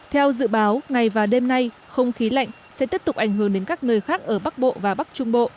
theo dự báo ngày và đêm nay không khí lạnh sẽ tiếp tục ảnh hưởng đến các nơi khác ở bắc bộ và bắc trung bộ